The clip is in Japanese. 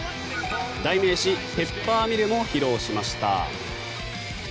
代名詞ペッパーミルも披露しました。